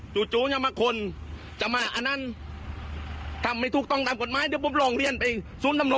คือไม่รู้ว่าใช่ตำรวจหรือเปล่า